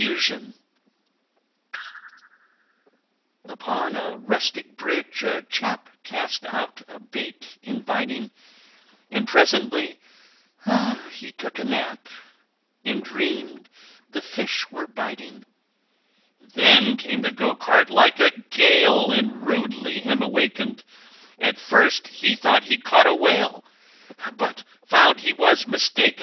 Upon a rustic bridge a Chap Cast out a bait inviting, And presently he took a nap And dreamed the fish were biting Then came the Go cart like a gale And rudely him awakened At first he thought he'd caught a whale, But found he was mistaken!